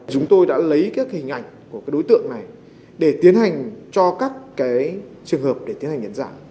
chúng tôi đã lấy các hình ảnh của đối tượng này để tiến hành cho các trường hợp để tiến hành nhận dạng